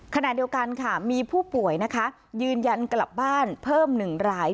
ขณะเดียวกันค่ะมีผู้ป่วยนะคะยืนยันกลับบ้านเพิ่ม๑ราย